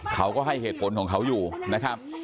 เขาก็ให้เหตุผลของเขาอยู่นะครับ